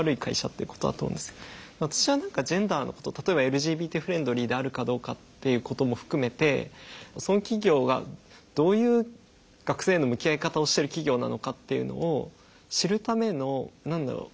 私は何かジェンダーのこと例えばＬＧＢＴフレンドリーであるかどうかっていうことも含めてその企業がどういう学生への向き合い方をしてる企業なのかっていうのを知るための何だろう